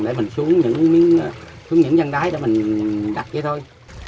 để mình xuống những dân đáy để mình đặt vậy thôi